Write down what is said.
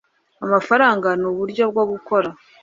amafaranga n uburyo bwo gukora